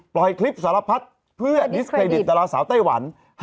ปล่อยคลิปสารพัดเพื่อดิสเครดิตดาราสาวไต้หวัน